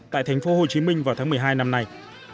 tại tp hcm vào tháng một mươi hai năm nay